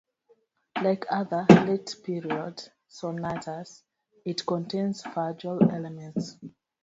Like other "late period" sonatas, it contains fugal elements.